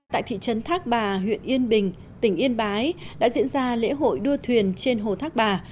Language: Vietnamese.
tại thị trấn thác bà huyện yên bình tỉnh yên bái đã diễn ra lễ hội đua thuyền trên hồ thác bà